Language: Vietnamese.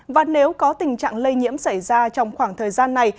và nếu có tình trạng lây nhiễm xảy ra trong khoảng thời gian này